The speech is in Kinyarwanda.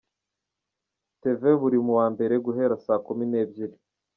tv buri wa Mbere guhera saa Kumi n’ebyiri.